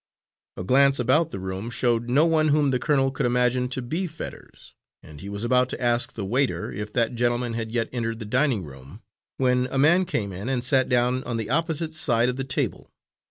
A glance about the room showed no one whom the colonel could imagine to be Fetters, and he was about to ask the waiter if that gentleman had yet entered the dining room, when a man came in and sat down on the opposite side of the table.